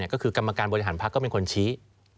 ก็คือกรรมการบริหารพักก็เป็นคนชี้